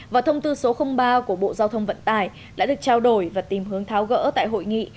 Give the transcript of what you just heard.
và thông tư số ba của bộ giao thông vận tải đã được trao đổi và tìm hướng tháo gỡ tại hội nghị